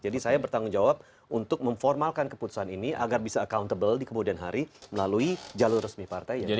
jadi saya bertanggung jawab untuk memformalkan keputusan ini agar bisa accountable di kemudian hari melalui jalur resmi partai